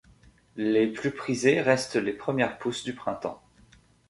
Les plus prisés restent les premières pousses du printemps.